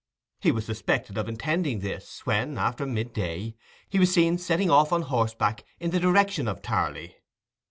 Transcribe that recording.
He was suspected of intending this, when, after mid day, he was seen setting off on horseback in the direction of Tarley.